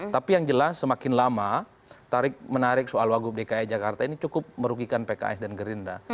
tapi yang jelas semakin lama menarik soal wagub dki jakarta ini cukup merugikan pks dan gerindra